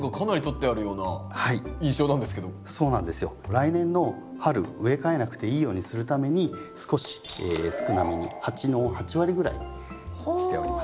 来年の春植え替えなくていいようにするために少し少なめに鉢の８割ぐらいにしております。